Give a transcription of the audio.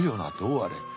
あれ。